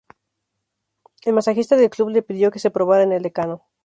El masajista del club le pidió que se probara en el "decano".